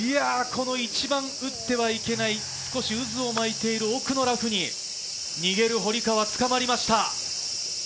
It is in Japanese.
この一番打ってはいけない渦を巻いている多くのラフに逃げる堀川、捕りました。